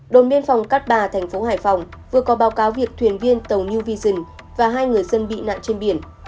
đồn biên phòng cát bà thành phố hải phòng vừa có báo cáo việc thuyền viên tàu new vision và hai người dân bị nạn trên biển